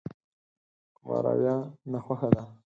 کومه رويه ناخوښه ده.